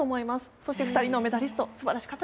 そして、２人のメダリスト。